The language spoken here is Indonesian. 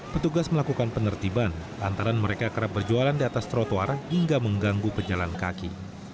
petugas melakukan penertiban lantaran mereka kerap berjualan di atas trotoar hingga mengganggu pejalan kaki